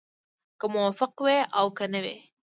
که موفق وي او که نه وي.